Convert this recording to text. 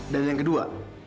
dan yang kedua